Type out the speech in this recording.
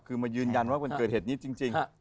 คือมายืนยันว่าวันเกิดเหตุนี้จริง